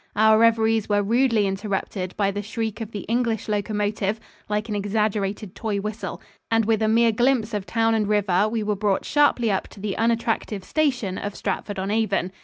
Our reveries were rudely interrupted by the shriek of the English locomotive like an exaggerated toy whistle and, with a mere glimpse of town and river, we were brought sharply up to the unattractive station of Stratford on Avon.